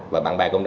và bạn bè cùng